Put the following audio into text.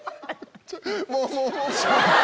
もうもうもう。